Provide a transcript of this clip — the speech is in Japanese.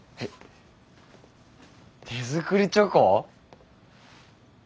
手作りチョコ？